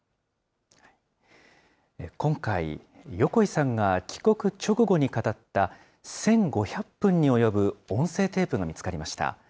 今回、横井さんが帰国直後に語った１５００分に及ぶ音声テープが見つかりました。